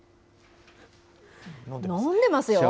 飲んでますよ。